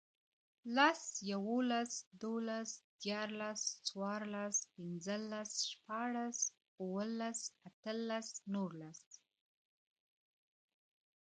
لس, یوولس, دوولس, دیرلس، څوارلس, پنځلس, شپاړس, اووهلس, اتهلس, نورلس